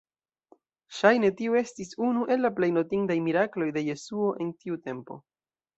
Ŝajne, tiu estis unu el la plej notindaj mirakloj de Jesuo en tiu tempo.